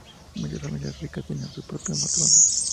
Muchas familias ricas tenían sus propias matronas.